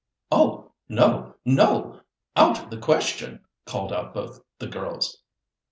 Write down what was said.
"Oh! no, no! out of the question," called out both the girls.